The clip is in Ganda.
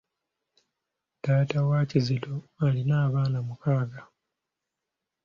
Taata wa Kizito alina abaana mukaaga.